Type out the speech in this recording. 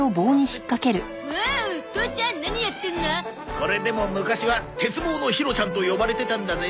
これでも昔は「鉄棒のヒロちゃん」と呼ばれてたんだぜ。